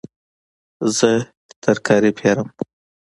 زه ترکاري پیرم